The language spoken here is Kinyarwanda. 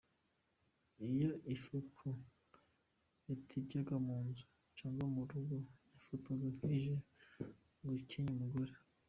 Iyo ifuku yatimbyaga mu nzu cyangwa mu rugo yafatwaga nk’ije gukenya umugore.